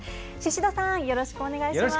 宍戸さん、よろしくお願いします。